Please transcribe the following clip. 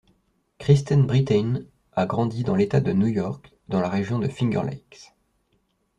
Kristen Britain a grandi dans l'État de New-York, dans la région de Finger Lakes.